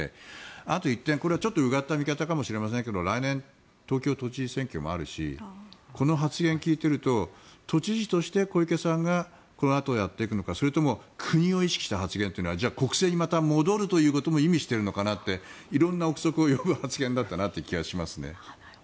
あと１点これはうがった見方かもしれませんが来年、東京都知事選挙もあるしこの発言を聞いていると都知事として小池さんがこのあとやっていくのかそれとも国を意識した発言というのはじゃあ国政にまた戻るということも意味しているのかなって色んな臆測を呼ぶ発言だったなという気がしますね。